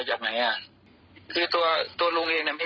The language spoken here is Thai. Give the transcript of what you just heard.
ใช่ไหมข้าจ้างค้านายอะ